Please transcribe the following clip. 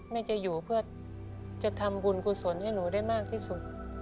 แม่จะอยู่เพื่อจะทำบุญกุศลให้หนูได้มากที่สุด